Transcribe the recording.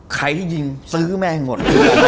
ใครที่ยิงซื้อแม่ให้หมด